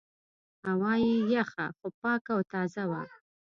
هوا یې یخه خو پاکه او تازه وه.